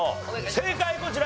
正解こちら。